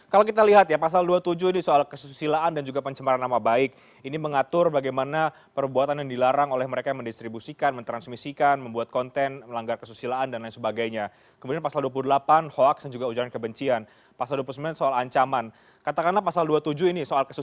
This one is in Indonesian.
kasus kasusnya kemudian keberatan keberatannya